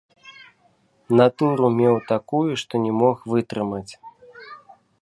Натуру меў такую, што не мог вытрымаць.